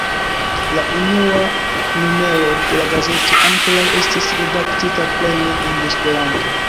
La unua numero de la gazeto ankoraŭ estis redaktita plene en Esperanto.